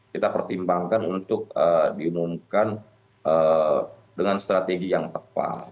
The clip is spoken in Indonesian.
kita pertimbangkan untuk diumumkan dengan strategi yang tepat